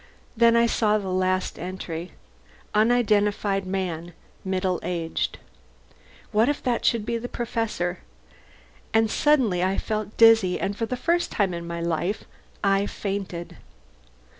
Then I saw the last entry: UNIDENTIFIED MAN, MIDDLE AGED. What if that should be the Professor? And I suddenly felt dizzy, and for the first time in my life I fainted.